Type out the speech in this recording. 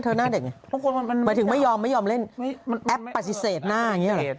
หน้าเด็กไงหมายถึงไม่ยอมไม่ยอมเล่นมันแอปปฏิเสธหน้าอย่างนี้หรอ